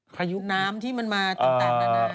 ทะยุน้ำที่มันมาต่าง